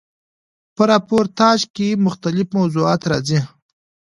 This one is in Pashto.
په راپورتاژ کښي مختلیف موضوعات راځي.